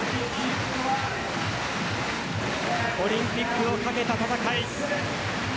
オリンピックを懸けた戦い。